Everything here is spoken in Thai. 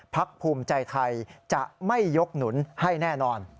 ภูมิใจไทยจะไม่ยกหนุนให้แน่นอน